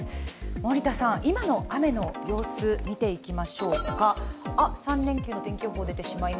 森田さん、今の雨の様子、見ていきましょうか。